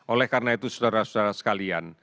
oleh karena itu saudara saudara sekalian